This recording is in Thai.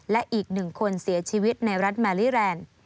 และอีก๑คนเสียชีวิตในรัฐแมลี่แรนด์